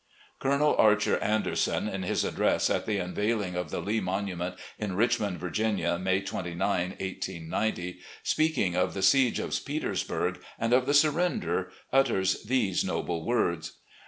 Colonel Archei* Anderson, in his address at the imveiling of the Lee monument in Richmond, Virginia, May 29, 1890, speaking of the siege of Petersburg and of the sur render, utters these noble words